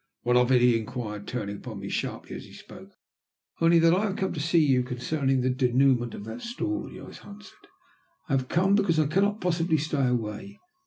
"What of it?" he inquired, turning on me sharply as he spoke. "Only that I have come to see you concerning the dénouement of that story," I answered. "I have come because I cannot possibly stay away.